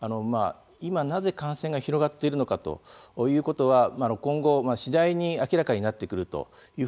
今なぜ感染が広がっているのかということは今後、次第に明らかになってくるというふうに思います。